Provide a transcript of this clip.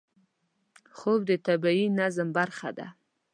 خوب د طبیعي نظم برخه ده